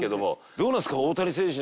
どうなんですか？